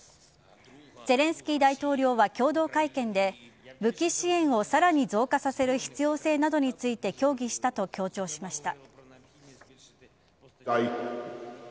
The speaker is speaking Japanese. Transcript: ゼレンスキー大統領は共同会見で武器支援をさらに増加させる必要性などについて協議したと強調しました。